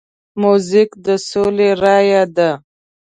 موزیک د سولې رایه ده.